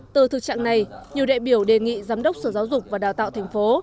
từ thực trạng này nhiều đại biểu đề nghị giám đốc sở giáo dục và đào tạo thành phố